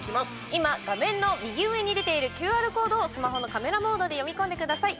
今、画面の右上に出ているＱＲコードをスマホのカメラモードで読み込んでください。